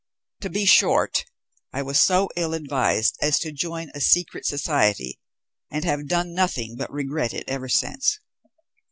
To be short, I was so ill advised as to join a secret society, and have done nothing but regret it ever since."